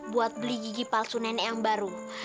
buat beli gigi palsu nenek yang baru